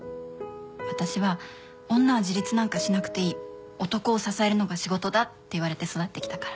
私は女は自立なんかしなくていい男を支えるのが仕事だって言われて育ってきたから。